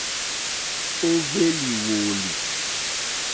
Ó hwélì wòòlì.